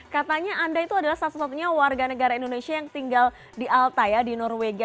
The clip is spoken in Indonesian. katanya anda itu adalah satu satunya warga negara indonesia yang tinggal di alta ya di norwegia